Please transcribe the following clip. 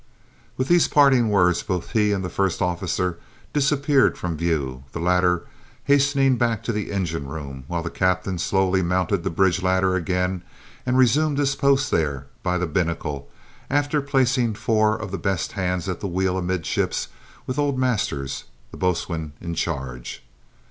With these parting words both he and the first officer disappeared from view, the latter hastening back to the engine room, while the captain slowly mounted the bridge ladder again and resumed his post there by the binnacle, after placing four of the best hands at the wheel amidships with old Masters, the boatswain, in charge.